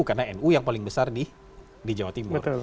karena nu yang paling besar di jawa timur